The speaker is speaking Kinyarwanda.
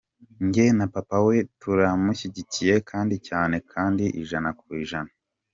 Njye na papa we turamushyigikiye kandi cyane kandi ijana ku ijana.